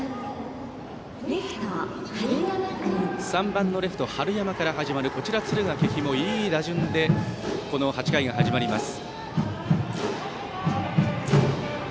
３番レフト、春山から始まる敦賀気比もいい打順で８回が始まります。